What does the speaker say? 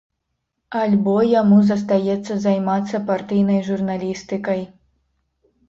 Альбо яму застаецца займацца партыйнай журналістыкай.